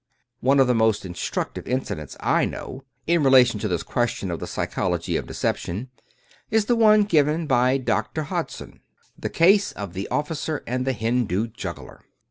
One of the most instructive incidents I know, in rela tion to this question of the psychology of deception, is the one given by Doctor Hodgson* — ^the case of the officer and the Hindu juggler.